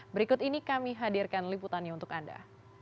berikut ini kami hadirkan liputannya untuk anda